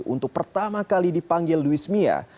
untuk pertama kali dipanggil luis mia